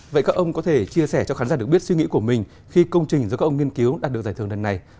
vậy các ông có thể chia sẻ cho khán giả được biết suy nghĩ của mình khi công trình do các ông nghiên cứu đạt được giải thưởng lần này